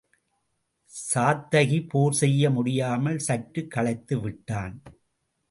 சாத்தகி போர் செய்ய முடியாமல் சற்றுக் களைத்து விட்டான்.